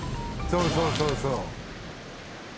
「そうそうそうそう」